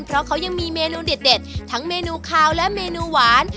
เพราะเขายังมีเมนูเด็ดทั้งเมนูคาวและเมนูหวาน